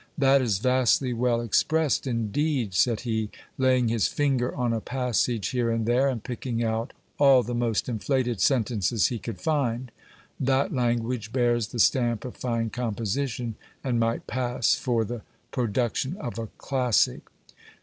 That is vastly well expressed indeed ! said he, laying his finger on a passage here and there, and picking out all the most inflated sentences he could find : that language bears the stamp of fine composition, and might pass for the pro duction of a classic.